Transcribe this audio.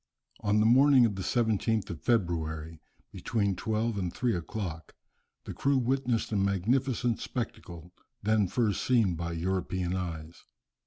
On the morning of the 17th of February, between twelve and three o'clock, the crew witnessed a magnificent spectacle, then first seen by European eyes.